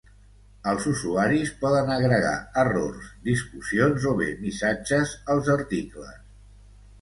Els usuaris poden agregar errors, discussions o bé missatges als articles.